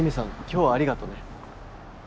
今日はありがとね